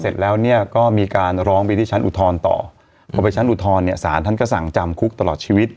เสร็จแล้วเนี่ยก็มีการร้องไปที่ชั้นอุทธรณ์ต่อพอไปชั้นอุทธรณ์เนี่ยสารท่านก็สั่งจำคุกตลอดชีวิต